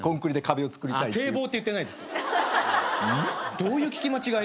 どういう聞き間違い？